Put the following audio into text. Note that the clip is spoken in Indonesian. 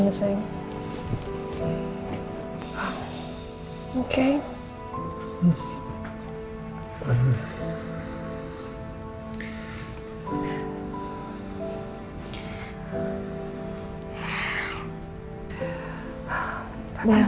mas biarin mas alisnya